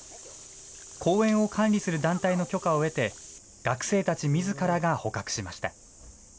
公園を管理する団体の許可を得て、学生たちみずからが捕獲しました。